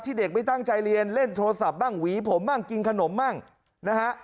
เด็กไม่ตั้งใจเรียนเล่นโทรศัพท์บ้างหวีผมบ้างกินขนมบ้างนะฮะ